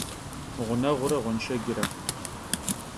Ğuneğure ğuenşşecre.